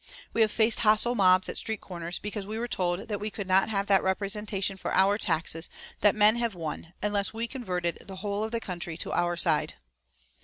We have faced hostile mobs at street corners, because we were told that we could not have that representation for our taxes that men have won unless we converted the whole of the country to our side.